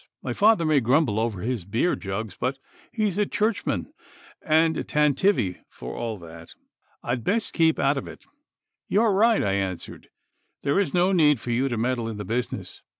My father may grumble over his beer jugs, but he's a Churchman and a Tantivy for all that. I'd best keep out of it.' 'You are right,' I answered. 'There is no need for you to meddle in the business.